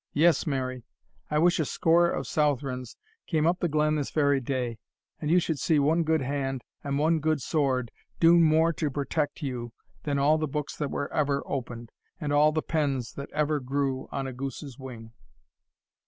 "Yes, Mary I wish a score of Southrons came up the glen this very day; and you should see one good hand, and one good sword, do more to protect you, than all the books that were ever opened, and all the pens that ever grew on a goose's wing."